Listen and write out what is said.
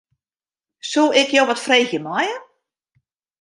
Soe ik jo wat freegje meie?